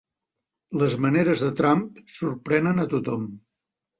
Les maneres de Trump sorprenen a tothom